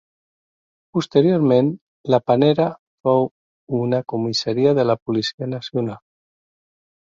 Posteriorment, la Panera fou una comissaria de la Policia Nacional.